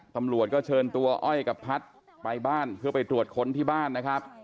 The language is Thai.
ตำรวจก็เชิญตัวอ้อยกับพัฒน์ไปบ้านเพื่อไปตรวจค้นที่บ้านนะครับ